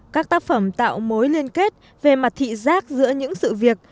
các tác phẩm tạo mối liên kết về mặt thị giác giữa những sự việc